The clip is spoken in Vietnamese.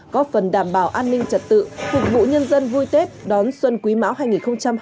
có phần đảm bảo an ninh trật tự phục vụ nhân dân vui tết đón xuân quý mão hai nghìn hai mươi ba an toàn lành mạnh